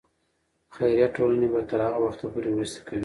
خیریه ټولنې به تر هغه وخته پورې مرستې کوي.